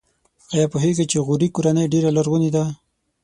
ایا پوهیږئ چې غوري کورنۍ ډېره لرغونې ده؟